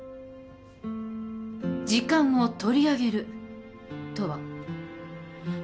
時間を取り上げるとは？